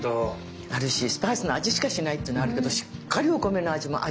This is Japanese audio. あるしスパイスの味しかしないってのはあるけどしっかりお米の味も味わえるっていう。